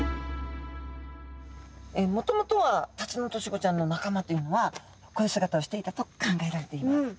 もともとはタツノオトシゴちゃんの仲間というのはこういう姿をしていたと考えられています。